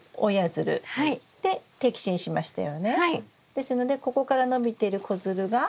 ですのでここから伸びてる子づるが？